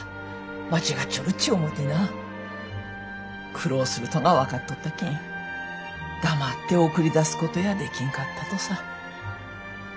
苦労するとが分かっとったけん黙って送り出すことやできんかったとさ。